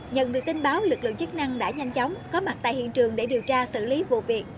nhận được tin báo lực lượng chức năng đã nhanh chóng có mặt tại hiện trường để điều tra xử lý vụ việc